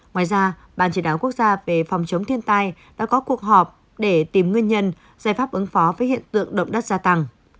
ngoài ra ban chỉ đạo quốc gia về phòng chống thiên tai đã có cuộc họp để tìm nguyên nhân giải pháp ứng phó với hiện tượng động đất gia tăng